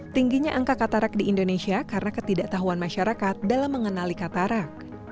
tingginya angka katarak di indonesia karena ketidaktahuan masyarakat dalam mengenali katarak